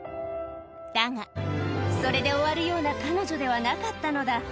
だが、それで終わるような彼女ではなかったのだ。